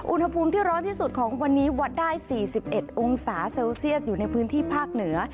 อุณหภูมิที่ร้อนที่สุดของวันนี้วัดได้๔๑องศาเซลเซียสอยู่ในพื้นที่ภาคเหนือ